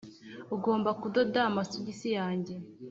ugomba kudoda amasogisi yanjye,